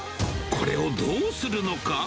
これをどうするのか？